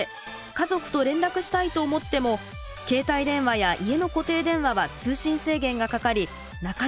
家族と連絡したいと思っても携帯電話や家の固定電話は通信制限がかかりなかなかつながらない。